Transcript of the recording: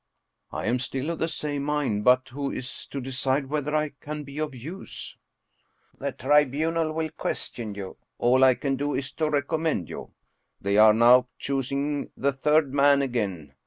" I am still of the same mind. But who is to decide whether I can be of use?" " The Tribunal will question you ; all I can do is to rec ommend you. They are now choosing the third man again.